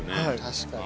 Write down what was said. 確かに。